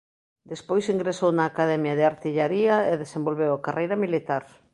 Despois ingresou na Academia de Artillaría e desenvolveu a carreira militar.